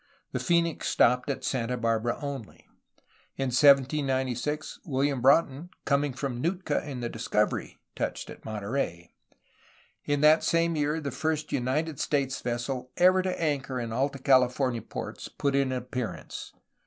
The Phoenix stopped at Santa Barbara only. In 1796 William Broughton, coming from Nootka in the Discovery, touched at Monterey. In that same year the first United States vessel ever to anchor in Alta California ports put in an appearance.